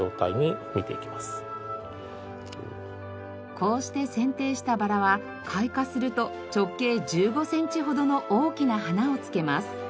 こうして剪定したバラは開花すると直径１５センチほどの大きな花をつけます。